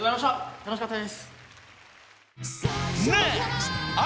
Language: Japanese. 楽しかったです！